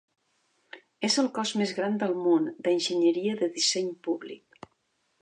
És el cos més gran del món d'enginyeria de disseny públic.